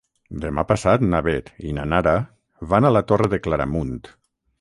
Demà passat na Beth i na Nara van a la Torre de Claramunt.